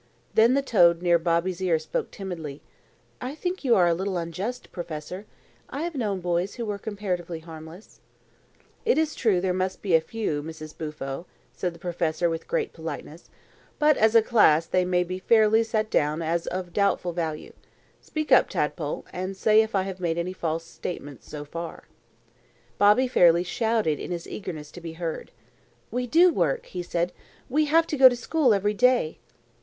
Then the toad near Bobby's ear spoke timidly: "I think you are a little unjust, Professor. I have known boys who were comparatively harmless." "It is true there may be a few, Mrs. Bufo," said the professor with great politeness, "but as a class they may be fairly set down as of very doubtful value. Speak up, Tadpole, and say if I have made any false statements so far." Bobby fairly shouted in his eagerness to be heard. "We do work," he said. "We have to go to school every day."